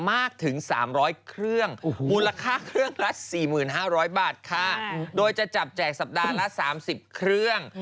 มากถึง๓๐๐เครื่องมูลค่าเครื่องละ๔๕๐๐บาทค่ะโดยจะจับแจกสัปดาห์ละ๓๐เครื่อง